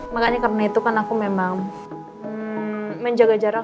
makanya karena itu kan aku memang menjaga jarak